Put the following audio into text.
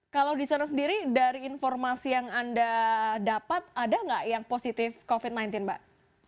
kalau di sana sendiri dari informasi yang anda dapat ada nggak yang positif covid sembilan belas mbak